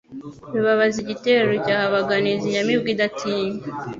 Rubabaza igitero rucyaha abaganizi, inyamibwa idatinya